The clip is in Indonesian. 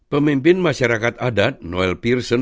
pemimpin masyarakat adat noel pirson